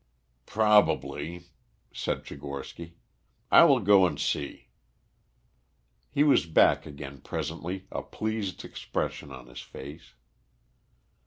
"Probably," said Tchigorsky. "I will go and see." He was back again presently, a pleased expression on his face.